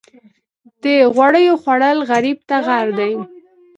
د غوړیو خوړل غریب ته غر دي.